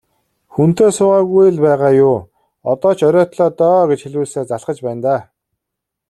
Хүнтэй суугаагүй л байгаа юу, одоо ч оройтлоо доо гэж хэлүүлсээр залхаж байна даа.